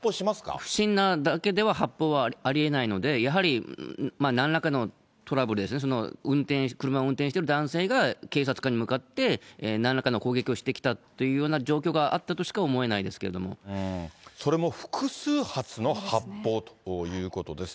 不審なだけでは発砲はありえないので、やはりなんらかのトラブルですね、車を運転している男性が警察官に向かって、なんらかの攻撃をしてきたというような状況があったとしか思えなそれも複数発の発砲ということです。